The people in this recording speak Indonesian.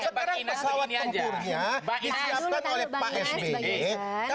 sebagai pesawat tempurnya disiapkan oleh pak sby